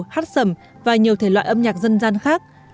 hát sẩm và nhiều thể loại âm nhạc dân gian khác